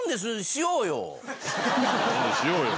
しようよ